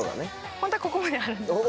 ホントはここまであるんですけど。